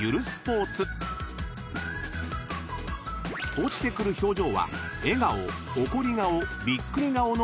［落ちてくる表情は笑顔・怒り顔・ビックリ顔の３つ］